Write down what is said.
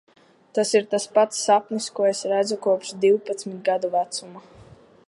Tas ir tas pats sapnis, ko es redzu kopš divpadsmit gadu vecuma.